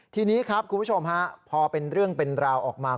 ทีนี้ครับคุณผู้ชมฮะพอเป็นเรื่องเป็นราวออกมา